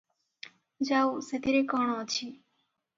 ଯାଉ, ସେଥିରେ କଣ ଅଛି?